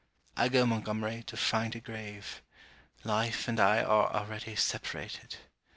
I go, Montgomery, to find a grave. Life and I are already separated!